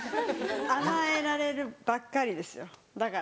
甘えられるばっかりですよだから。